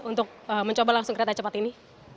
untuk mencoba langsung kereta cepat ini